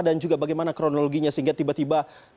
dan juga bagaimana kronologinya sehingga tiba tiba